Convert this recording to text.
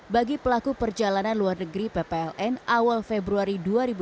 bagi pelaku perjalanan luar negeri ppln awal februari dua ribu dua puluh